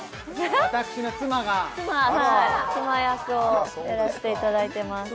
私の妻が妻はい妻役をやらせていただいてます